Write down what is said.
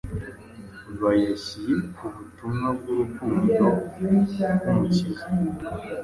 bayashyiye ubutumwa bw’urukundo rw’Umukiza.